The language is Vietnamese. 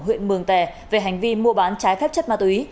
huyện mường tè về hành vi mua bán trái phép chất ma túy